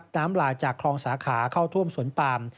น้ำหลากจากคลองสาขาเข้าท่วมสวนปาม